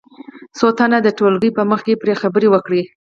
څو تنه دې د ټولګي په مخ کې پرې خبرې وکړي.